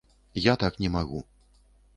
Я так не магу.